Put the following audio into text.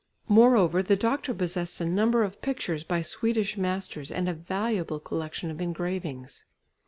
Moreover the doctor possessed a number of pictures by Swedish masters and a valuable collection of engravings.